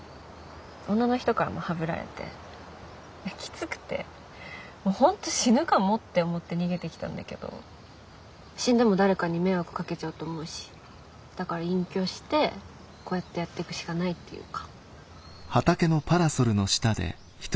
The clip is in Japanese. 女の人からもハブられてきつくて本当死ぬかもって思って逃げてきたんだけど死んでも誰かに迷惑かけちゃうと思うしだから隠居してこうやってやってくしかないっていうか。